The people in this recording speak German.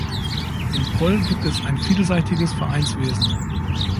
In Poll gibt es ein vielseitiges Vereinswesen.